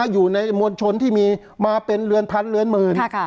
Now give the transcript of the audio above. อยู่ในมวลชนที่มีมาเป็นเรือนพันเรือนหมื่น